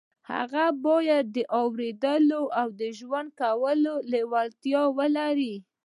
هغه بايد د اورېدو او ژوند کولو لېوالتیا ولري.